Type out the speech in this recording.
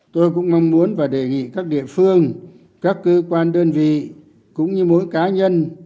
tôi cũng mong muốn và đề nghị các địa phương các cơ quan đơn vị cũng như mỗi cá nhân